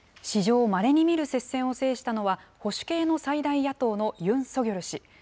史上まれに見る接戦を制したのは、保守系の最大野党のユン・ソギョル氏。